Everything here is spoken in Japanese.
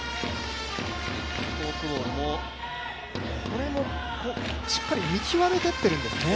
これもしっかり見極めていってるんですね。